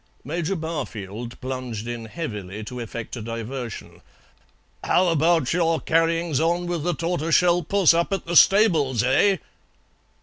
Major Barfield plunged in heavily to effect a diversion. "How about your carryings on with the tortoiseshell puss up at the stables, eh?"